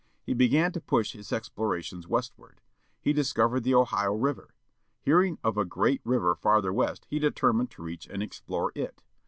He began to push his explorations westward. He dis covered the Ohio River. Hearing of a great river farther west he determined to reach and explore it.